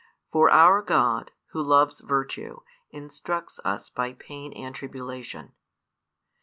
For our God, Who loves virtue, instructs us by pain and tribulation.